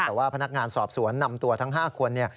แต่ว่าพนักงานสอบสวนนำตัวทั้ง๕คน